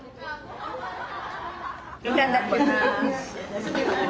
いただきます。